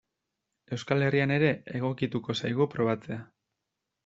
Euskal Herrian ere egokituko zaigu probatzea.